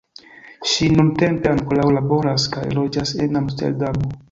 Ŝi nuntempe ankoraŭ laboras kaj loĝas en Amsterdamo.